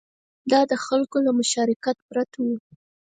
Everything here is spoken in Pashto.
دا د خلکو له مشارکت پرته و